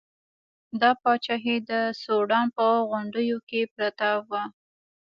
دا پاچاهي د سوډان په غونډیو کې پرته وه.